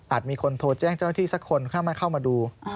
มีคนโทรแจ้งเจ้าหน้าที่สักคนเข้ามาเข้ามาดู